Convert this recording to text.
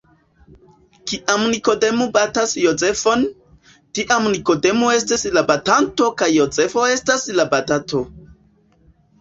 Kiam Nikodemo batas Jozefon, tiam Nikodemo estas la batanto kaj Jozefo estas la batato.